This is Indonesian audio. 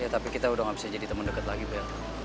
ya tapi kita udah gak bisa jadi temen deket lagi bel